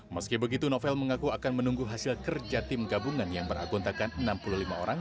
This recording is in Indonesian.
meski begitu novel mengaku akan menunggu hasil kerja tim gabungan yang beragontakan enam puluh lima orang